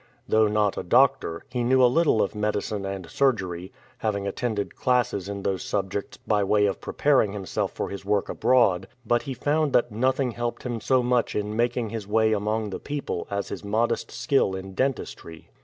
Though not a doctor, he knew a little of medicine and surgery, having attended classes in these subjects by way of preparing himself for his work abroad ; but he found that nothing helped him so much in making his way among the people as his modest skill in dentistry.